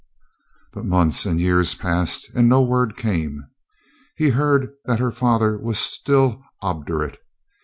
But months and years passed, and no word came. He heard that her father was still obdurate.